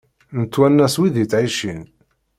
Nettwanas wid ittɛicin.